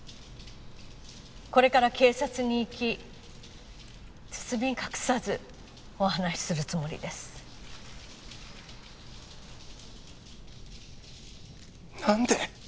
これから警察に行き包み隠さずお話しするつもりです何で？